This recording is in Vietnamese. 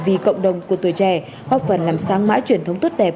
vì cộng đồng của tuổi trẻ góp phần làm sáng mãi truyền thống tốt đẹp